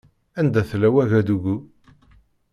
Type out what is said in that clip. Anda tella Wagadugu?